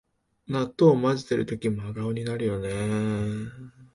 納豆をまぜてるとき真顔になるよね